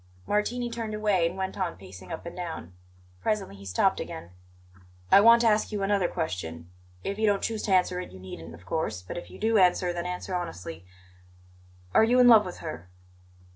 Martini turned away and went on pacing up and down. Presently he stopped again. "I want to ask you another question. If you don't choose to answer it, you needn't, of course; but if you do answer, then answer honestly. Are you in love with her?"